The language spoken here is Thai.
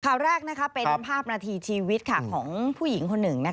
ข่าวแรกเป็นภาพนาทีชีวิตของผู้หญิงคนหนึ่ง